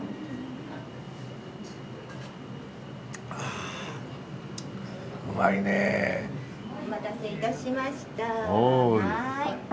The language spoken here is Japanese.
あうまいね。お待たせ致しましたはい。